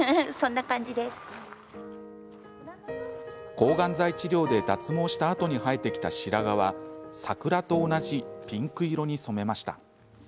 抗がん剤治療で脱毛したあとに生えてきた白髪は桜と同じピンク色に染めました。